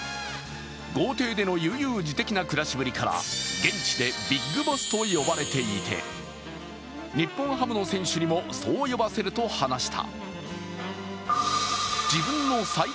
豪邸での悠々自適な暮らしぶりから現地でビッグボスと呼ばれていて日本ハムの選手にも、そう呼ばせると話した。